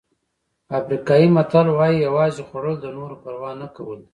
افریقایي متل وایي یوازې خوړل د نورو پروا نه کول دي.